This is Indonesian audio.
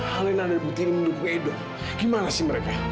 alina dan putri mendukung edo gimana sih mereka